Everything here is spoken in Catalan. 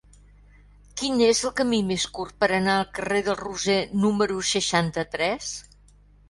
Quin és el camí més curt per anar al carrer del Roser número seixanta-tres?